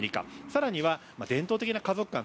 更には伝統的な家族観